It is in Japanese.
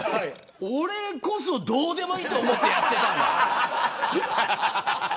俺こそどうでもいいと思ってやってたから。